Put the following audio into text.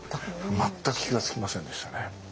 全く気が付きませんでしたね。